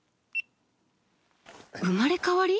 生まれ変わり？